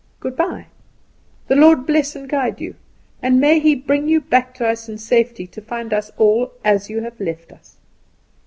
Good bye! The Lord bless and guide you; and may He bring you back to us in safety and find us all as you have left us!"